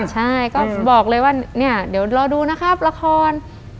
ใช่ก็บอกเลยว่าเนี่ยเดี๋ยวรอดูนะครับละคร